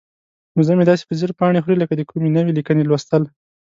وزه مې داسې په ځیر پاڼې خوري لکه د کومې نوې لیکنې لوستل.